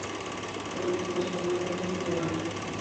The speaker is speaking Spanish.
Político español, de origen peruano.